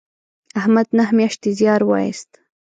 احمد نهه میاشتې زیار و ایست